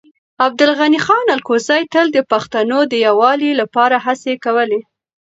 عبدالغني خان الکوزی تل د پښتنو د يووالي لپاره هڅې کولې.